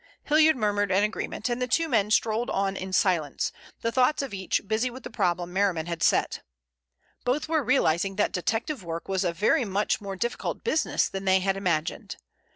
Hilliard murmured an agreement, and the two men strolled on in silence, the thoughts of each busy with the problem Merriman had set. Both were realizing that detective work was a very much more difficult business than they had imagined.